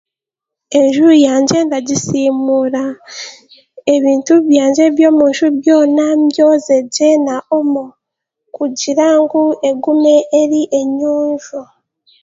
Enju yangye ndagisiimuura, ebintu byangye by'omunju byona mbyoze gye na omo kugira ngu egume eri enyonjo